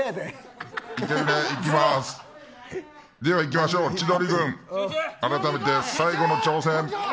では、いきましょう千鳥軍、あらためて最後の挑戦。